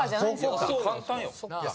簡単よ。